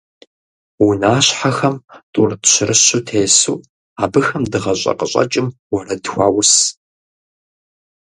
Унащхьэхэм тӀурытӀ-щырыщу тесу, абыхэм дыгъэщӀэ къыщӀэкӀым уэрэд хуаус.